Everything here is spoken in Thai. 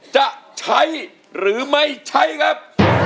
จะใช้หรือไม่ใช้ครับ